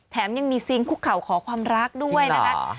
แถมยังมีซีนคุกเข่าขอความรักด้วยนะคะ